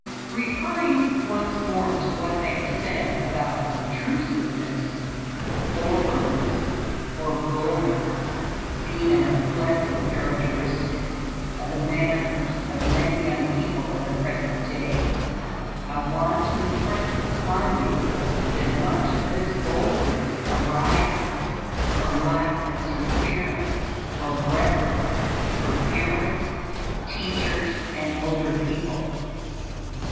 Referring once more to what I have said about obtrusiveness, forwardness, or boldness, being an unpleasant characteristic of the manners of many young people of the present day, I want to impress upon you that much of this boldness arises from lack of deference or reverence for parents, teachers, and older people.